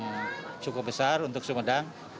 yang cukup besar untuk sumedang